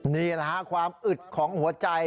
นี่แหละฮะความอึดของหัวใจ